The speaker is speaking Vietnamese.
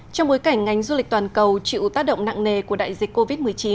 trong bối cảnh ngành du lịch toàn cầu chịu tác động nặng nề của đại dịch covid một mươi chín